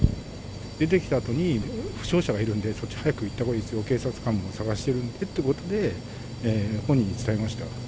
出てきたあとに、負傷者がいるんで、そっち早く行ったほうがいいですよ、警察官も捜してるんでってことで、本人に伝えました。